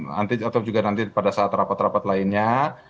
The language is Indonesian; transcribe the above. nanti atau juga nanti pada saat rapat rapat lainnya